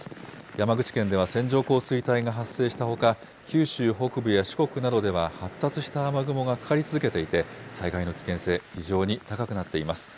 山口県では線状降水帯が発生したほか、九州北部や四国などでは発達した雨雲がかかり続けていて、災害の危険性、非常に高くなっています。